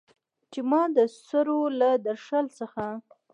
چې ما د سړو له درشل څخه